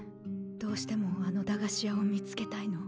どうしてもあの駄菓子屋を見つけたいの。